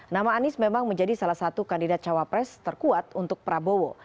nama anies memang menjadi salah satu kandidat cawapres terkuat untuk prabowo